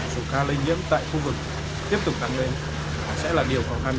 số ca lây nhiễm tại khu vực tiếp tục tăng lên sẽ là điều khó khăn